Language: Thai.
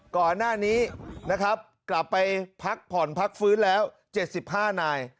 ก่อนหน้านี้นะครับกลับไปพักผ่อนพักฟื้นแล้ว๗๕นาย